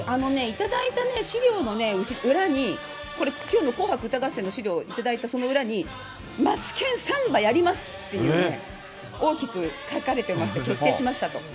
頂いた資料の裏に、これ、きょうの紅白歌合戦の資料頂いたその裏に、マツケンサンバやりますっていう、大きく書かれてました、決定しましたと。